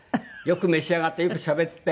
よく召し上がってよくしゃべって。